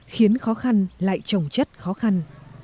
khó khăn lại trồng chất khó khăn